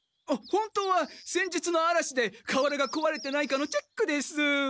あっ本当は先日のあらしでかわらがこわれてないかのチェックです。